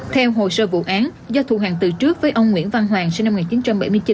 theo hồ sơ vụ án do thù hàng từ trước với ông nguyễn văn hoàng sinh năm một nghìn chín trăm bảy mươi chín